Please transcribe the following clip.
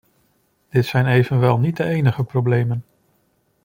Dit zijn evenwel niet de enige problemen.